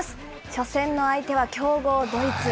初戦の相手は強豪、ドイツ。